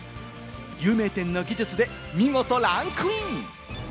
有名店の技術で見事ランクイン。